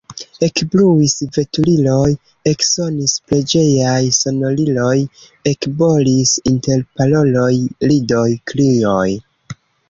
Ekbruis veturiloj, eksonis preĝejaj sonoriloj, ekbolis interparoloj, ridoj, krioj.